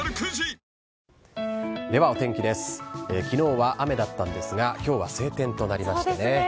きのうは雨だったんですが、きょうは晴天となりましたね。